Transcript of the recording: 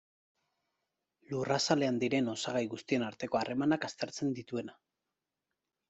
Lurrazalean diren osagai guztien arteko harremanak aztertzen dituena.